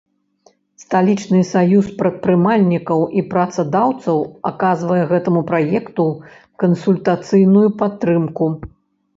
Сталічны саюз прадпрымальнікаў і працадаўцаў аказвае гэтаму праекту кансультацыйную падтрымку.